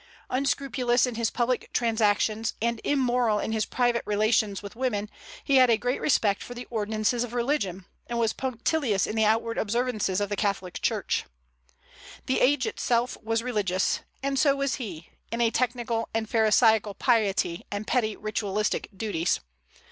Unscrupulous in his public transactions, and immoral in his private relations with women, he had a great respect for the ordinances of religion, and was punctilious in the outward observances of the Catholic Church. The age itself was religious; and so was he, in a technical and pharisaical piety and petty ritualistic duties.